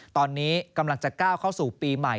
ตอนนี้กำลังจะก้าวเข้าสู่ปีใหม่